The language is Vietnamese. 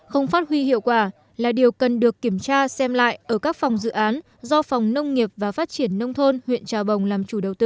không phát huy hiệu quả là điều cần được kiểm tra xem lại ở các phòng dự án do phòng nông nghiệp và phát triển nông thôn huyện trà bồng làm chủ đầu tư